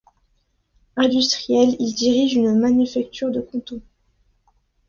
Industriel, il dirige une manufacture de cotons.